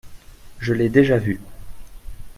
Je l’ai déjà vu.